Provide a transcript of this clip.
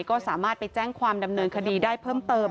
ก็สามารถไปแจ้งความดำเนินคดีได้เพิ่มเติม